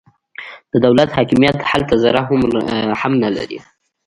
د دولت حاکمیت هلته ذره هومره هم نه لري.